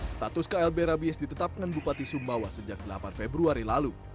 status klb rabies ditetapkan bupati sumbawa sejak delapan februari lalu